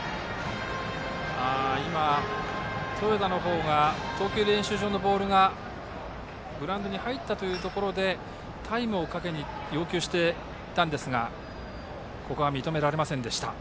豊田の方が投球練習場のボールがグラウンドに入ったというところでタイムを要求していたんですがここは認められませんでした。